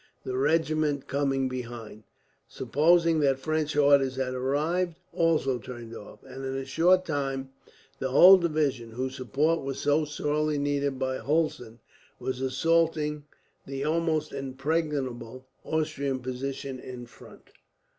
The regiments coming behind, supposing that fresh orders had arrived, also turned off; and in a short time the whole division, whose support was so sorely needed by Hulsen, were assaulting the almost impregnable Austrian position in front.